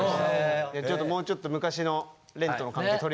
ちょっともうちょっと昔の廉との関係取り戻せるように。